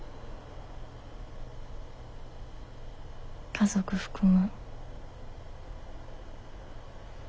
家族含む。